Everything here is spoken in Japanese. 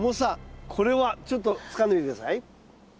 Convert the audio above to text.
これはちょっとつかんでみて下さい。